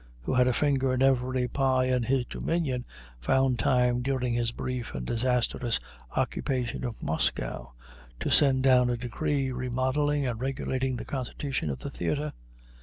who had a finger in every pie in his dominion, found time during his brief and disastrous occupation of Moscow to send down a decree remodeling and regulating the constitution of the theater.